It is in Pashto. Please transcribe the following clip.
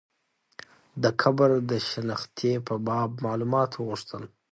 د قبر د شنختې په باب معلومات وغوښتل.